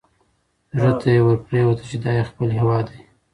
زړه ته یې ورپرېوته چې دا یې خپل هیواد دی.